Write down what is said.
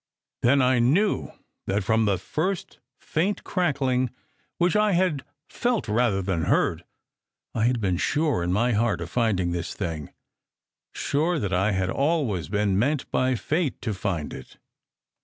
Then I knew that, from the first faint crack ling which I had felt rather than heard, I had been sure in my heart of finding this thing : sure that I had always been meant by Fate to find it.